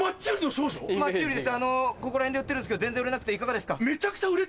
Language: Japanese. あのここら辺で売ってるんすけど全然売れなくていかがですか？